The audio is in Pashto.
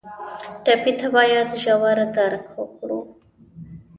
ټپي ته باید ژور درک وکړو.